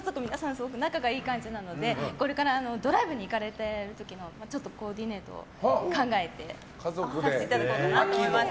すごく仲がいい感じなのでこれからドライブに行かれる時のコーディネートを考えさせていただこうかなと思います。